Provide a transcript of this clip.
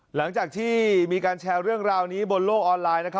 หลังจากที่มีการแชร์เรื่องราวนี้บนโลกออนไลน์